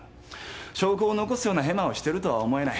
証拠を残すようなヘマをしてるとは思えない。